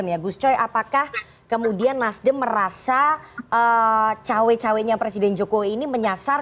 nasdem ya gus coy apakah kemudian nasdem merasa eh cewek ceweknya presiden jokowi ini menyasar